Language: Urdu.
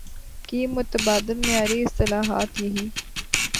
کی متبادل معیاری اصطلاحات یہی